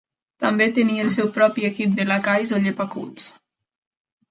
També tenia el seu propi equip de lacais o llepaculs.